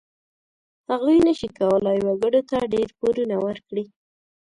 هغوی نشي کولای وګړو ته ډېر پورونه ورکړي.